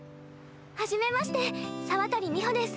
はじめまして沢渡美穂です。